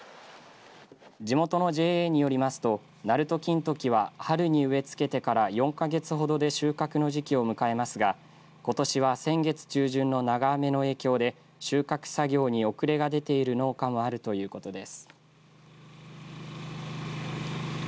地元のＪＡによりますとなると金時は春に植えつけてから４か月ほどで収穫の時期を迎えますがことしは先月中旬の長雨の影響で収穫作業に遅れが出ている農家もあるということです。